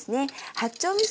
八丁みそ